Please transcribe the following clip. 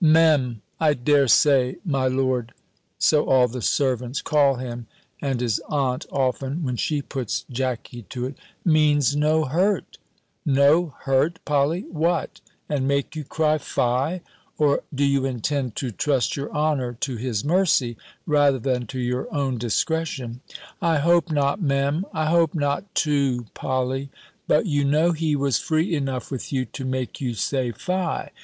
"Me'm, I dare say, my lord" (so all the servants call him, and his aunt often, when she puts Jackey to it), "means no hurt." "No hurt, Polly! What, and make you cry 'Fie!' or do you intend to trust your honour to his mercy, rather than to your own discretion?" "I hope not, Me'm!" "I hope not too, Polly! But you know he was free enough with you, to make you say '_Fie!